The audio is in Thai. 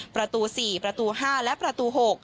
ประตู๔ประตู๕และประตู๖